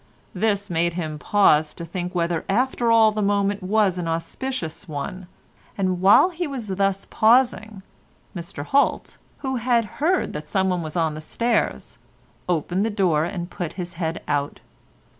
This made him pause to think whether after all the moment was an auspicious one, and while he was thus pausing, Mr Holt, who had heard that someone was on the stairs, opened the door and put his head out.